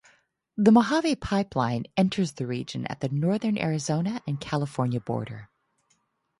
The Mojave Pipeline enters the region at the northern Arizona and California border.